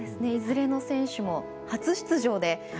いずれの選手も初出場で。